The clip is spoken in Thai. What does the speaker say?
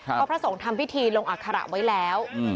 เพราะพระสงฆ์ทำพิธีลงอัคระไว้แล้ว